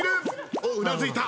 おっうなずいた！